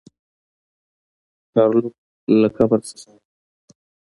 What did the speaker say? ګارلوک له قبر نه راووت.